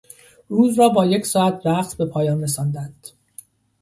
روز را با یک ساعت رقص به پایان رساندند.